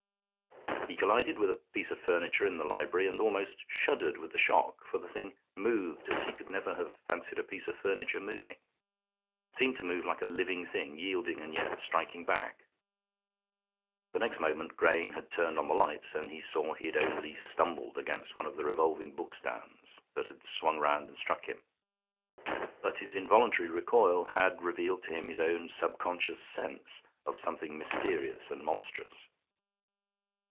He collided with a piece of furniture in the library, and almost shuddered with the shock, for the thing moved as he could never have fancied a piece of furniture moving. It seemed to move like a living thing, yielding and yet striking back. The next moment Grayne had turned on the lights, and he saw he had only stumbled against one of the revolving bookstands that had swung round and struck him; but his involuntary recoil had revealed to him his own subconscious sense of something mysterious and monstrous.